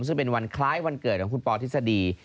ซึ่งเป็นวันคล้ายวันเกิดของคุณปอทฤษฎี